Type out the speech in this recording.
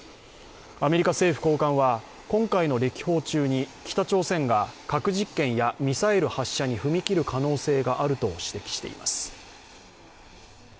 アメリカ政府高官は今回の歴訪中に北朝鮮が核実験やミサイル発射に踏み切る可能性があると指摘しています。